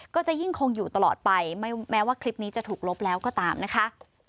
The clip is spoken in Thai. ก็จะยิ่งคงอยู่ตลอดไปไม่แม้ว่าคลิปนี้จะถูกลบแล้วก็ตามนะคะ